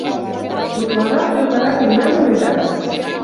Утларак йоргарак лиям ыле да